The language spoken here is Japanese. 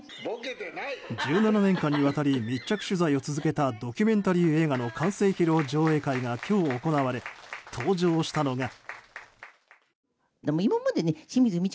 １７年間にわたり密着取材を続けたドキュメンタリー映画の完成披露上映会が今日行われ登場したのが。